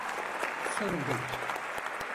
Sorun değil.